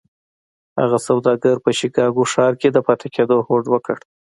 هغه سوداګر په شيکاګو ښار کې د پاتې کېدو هوډ وکړ.